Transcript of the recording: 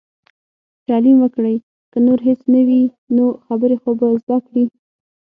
تعليم وکړئ! که نور هيڅ نه وي نو، خبرې خو به زده کړي.